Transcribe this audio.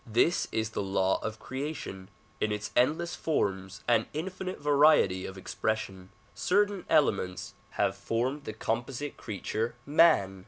This is the law of creation in its endless forms and infinite variety of expres sion. Certain elements have formed the composite creature man.